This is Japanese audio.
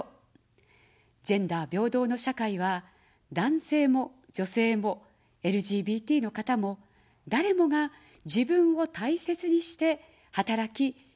ジェンダー平等の社会は、男性も女性も、ＬＧＢＴの方も、誰もが自分を大切にして働き、生きることのできる社会です。